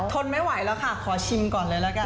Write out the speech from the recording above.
ทนไม่ไหวแล้วค่ะขอชิมก่อนเลยละกัน